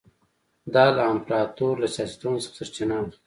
دا له امپراتور له سیاستونو څخه سرچینه اخیسته.